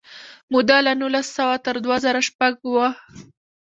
موده له نولس سوه تر دوه زره شپږ وه.